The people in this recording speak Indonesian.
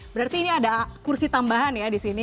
berarti ini ada kursi tambahan ya disini